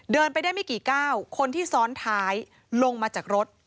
เดินไปได้ไม่กี่ก้าวคนที่ซ้อนท้ายลงมาจากรถ